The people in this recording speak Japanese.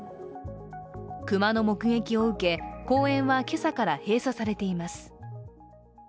クマの目撃を受け、公園はけさから閉鎖されています。